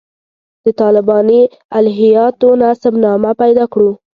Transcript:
د طالباني الهیاتو نسب نامه پیدا کړو.